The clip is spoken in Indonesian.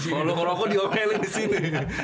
kalau ngerokok diomelin disini